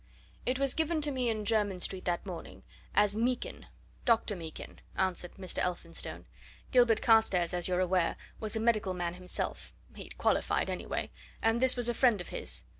"It was given to me, in Jermyn Street that morning, as Meekin Dr. Meekin," answered Mr. Elphinstone. "Gilbert Carstairs, as you're aware, was a medical man himself he'd qualified, anyway and this was a friend of his.